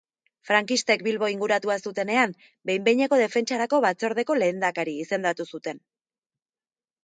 Frankistek Bilbo inguratua zutenean, behin-behineko Defentsarako Batzordeko lehendakari izendatu zuten.